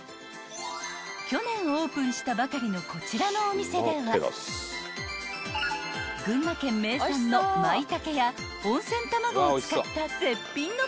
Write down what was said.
［去年オープンしたばかりのこちらのお店では群馬県名産のマイタケや温泉卵を使った絶品のピザ］